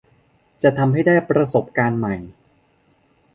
จะทำให้ได้ประสบการณ์ใหม่